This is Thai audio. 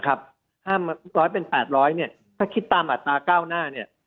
ถ้าคิดตามอัตราเก้าหน้า